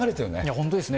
本当ですね。